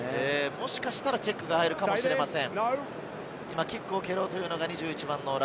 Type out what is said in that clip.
もしかしたらチェックが入るかもしれません。